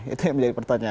itu yang menjadi pertanyaan